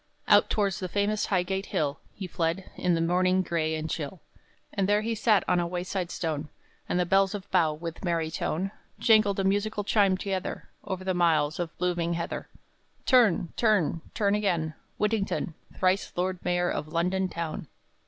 Out towards the famous Highgate Hill He fled, in the morning gray and chill; And there he sat on a wayside stone, And the bells of Bow, with merry tone, Jangled a musical chime together, Over the miles of blooming heather: "Turn, turn, turn again, Whittington, Thrice Lord Mayor of London town!"